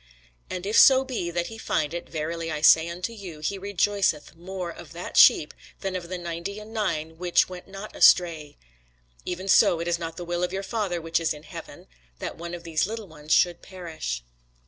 And if so be that he find it, verily I say unto you, he rejoiceth more of that sheep, than of the ninety and nine which went not astray. Even so it is not the will of your Father which is in heaven, that one of these little ones should perish.